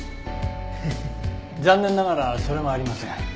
残念ながらそれもありません。